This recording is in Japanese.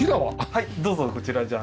はいどうぞこちらじゃあ。